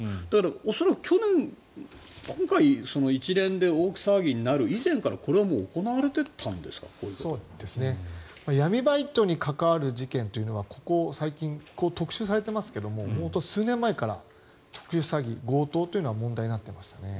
恐らく去年今回、一連で大騒ぎになる以前からこういったことが闇バイトに関わる悪事件はここ最近、特集されてますが数年前から特殊詐欺や強盗というのは問題になっています。